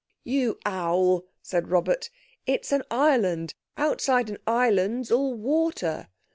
"You owl!" said Robert, "it's an island. Outside an island's all water."